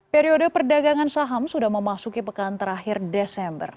periode perdagangan saham sudah memasuki pekan terakhir desember